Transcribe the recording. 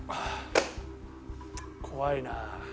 怖いな。